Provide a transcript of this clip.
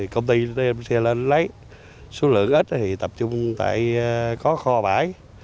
công ty đem xe lên lấy số lượng ít thì tập trung tại có kho bãi